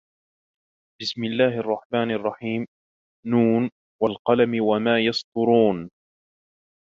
بسم الله الرحمن الرحيم ن والقلم وما يسطرون